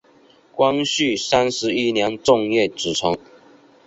光绪三十一年正月组成。